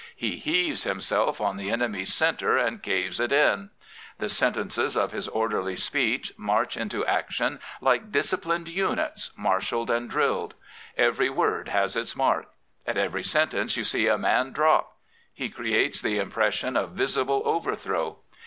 He heaves himself on the enemy's centre and caves it im The sentences of his orderly speech march into action like disciplined units, marshalled and drilled. Every word has its mark. At every sentence you see a man drop. He creates the impression of visible overthrow.